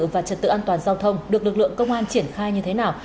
và trật tự an toàn giao thông được lực lượng công an triển khai như thế nào